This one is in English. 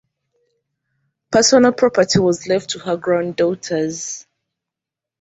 Personal property was left to her granddaughters.